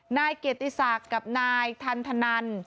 นายเกียรติศักดิ์กับนายทันทนัน